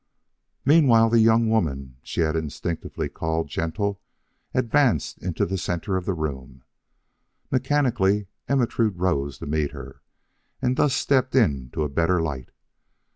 Meanwhile the young woman she had instinctively called gentle advanced into the center of the room. Mechanically, Ermentrude rose to meet her, and thus stepped into a better light.